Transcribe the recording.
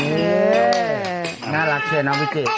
นี่น่ารักใช่ไหมน้องวิเจศ